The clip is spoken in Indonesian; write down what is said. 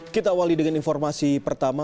kita awali dengan informasi pertama